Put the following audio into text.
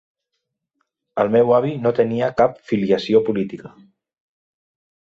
El meu avi no tenia cap filiació política